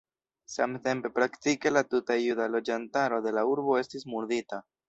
Samtempe praktike la tuta juda loĝantaro de la urbo estis murdita.